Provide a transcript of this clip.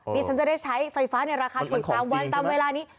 ดิฉันจะได้ใช้ไฟฟ้าในราคาถูกตามวันตามเวลานี้